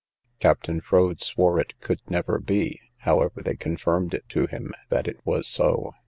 Captain Froade swore it could never be; however, they confirmed it to him that it was so.